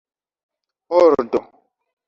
ordo